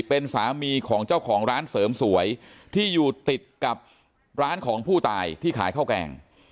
เป็นสามีของเจ้าของร้านเสริมสวยที่อยู่ติดกับร้านของผู้ตายที่ขายข้าวแกง